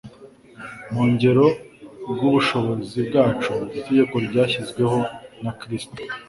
mu mgero rw'ubushobozi bwacu. Itegeko ryashyizweho na Kristo,